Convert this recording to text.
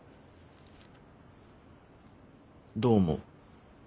どう思う？